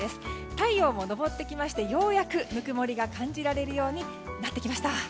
太陽も上ってきましてようやくぬくもりが感じられるようになってきました。